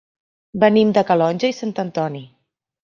Venim de Calonge i Sant Antoni.